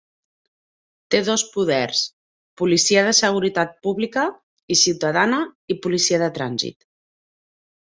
Té dos poders: policia de seguretat pública i ciutadana i policia de trànsit.